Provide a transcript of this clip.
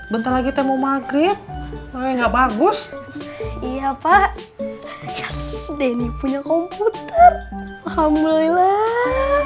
bentar lagi temu maghrib lo nggak bagus iya pak denny punya komputer alhamdulillah